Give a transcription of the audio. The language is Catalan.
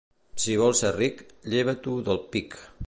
Si vols ser ric, lleva-t'ho del «pic».